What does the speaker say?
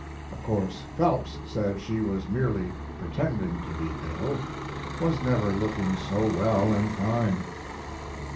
Of course Phelps said she was merely pretending to be ill; was never looking so well & fine.